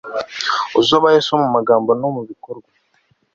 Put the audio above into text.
uzubahe so mu magambo no mu bikorwa